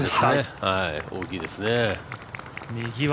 大きいですね。